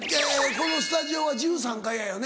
このスタジオは１３階やよね。